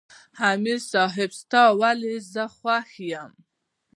" امیر صېب ستا ولې زۀ خوښ یم" ـ